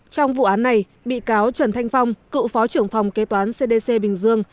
trong vụ án này bị cáo trần thanh phong cựu phó trưởng phòng kế toán cdc bình dương